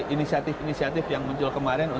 inisiatif inisiatif yang muncul kemarin